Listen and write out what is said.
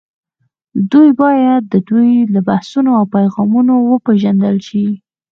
دوی باید د دوی له بحثونو او پیغامونو وپېژندل شي